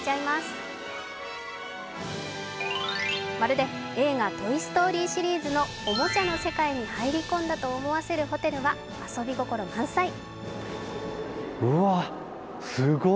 まるで映画「トイ・ストーリー」シリーズのおもちゃの世界に入り込んだと思わせるホテルは遊び心満載。